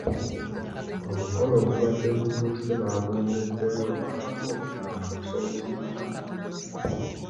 Omukolo ogubadde gutuuse bagwongeddeyo olw'abako obutaba na busobozi bumala.